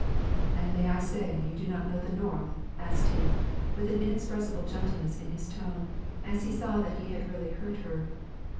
"And may I say you do not know the North?" asked he, with an inexpressible gentleness in his tone, as he saw that he had really hurt her.